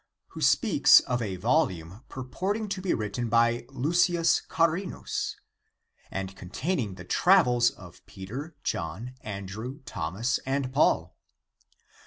cod. 114, speaks of a volume purporting to be written by Leucius Charinus,i and con taining the travels of Peter, John, Andrew, Thomas and Paul.